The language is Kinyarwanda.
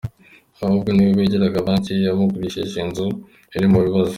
Ahubwo ni we warega Banki yamugurishije inzu iri mu bibazo.